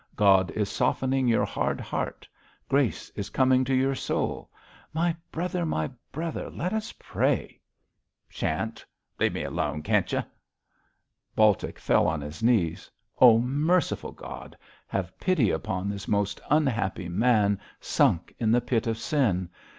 God is softening your hard heart. Grace is coming to your soul. My brother! my brother! let us pray.' 'Sha'n't! Leave me alone, can't y'?' Baltic fell on his knees. 'Oh, merciful God, have pity upon this most unhappy man sunk in the pit of sin.